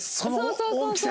そうそうそうそう！